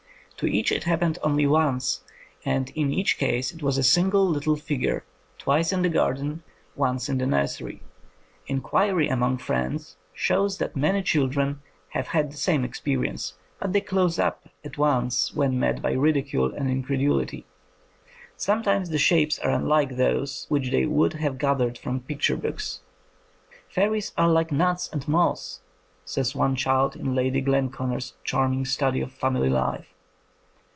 To each it happened only once, and in each case it was a single little figure, twice in the garden, once in the nursery. Inquiry among friends shows that many children have had the same experience, but they close up at once when met by ridicule and in credulity. Sometimes the shapes are unlike those which they would have gathered from picture books. "Fairies are like nuts and moss," says one child in Lady Glenconner's charming study of family life.